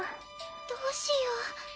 どうしよう？